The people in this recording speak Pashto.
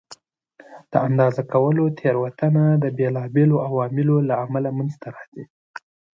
د اندازه کولو تېروتنه د بېلابېلو عواملو له امله منځته راځي.